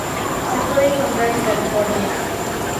Se puede encontrar en California.